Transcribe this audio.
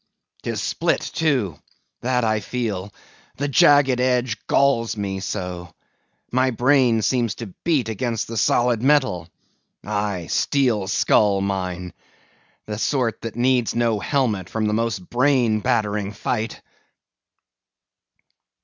'Tis split, too—that I feel; the jagged edge galls me so, my brain seems to beat against the solid metal; aye, steel skull, mine; the sort that needs no helmet in the most brain battering fight!